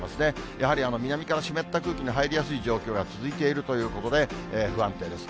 やはり南から湿った空気が入りやすい状況が続いているということで、不安定です。